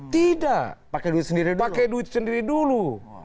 tidak pakai duit sendiri dulu